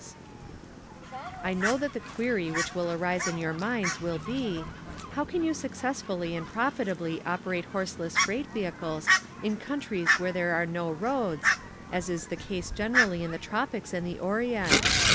Austin I know that the qner}' which will arise in your minds will be, "How can you successfull} and profitably operate horse less freight vehicles in countries where there are no roads, as is the case gener ally in the tropics and the orient?"